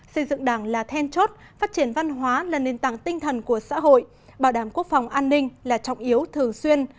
xây dựng đảng là then chốt phát triển văn hóa là nền tảng tinh thần của xã hội bảo đảm quốc phòng an ninh là trọng yếu thường xuyên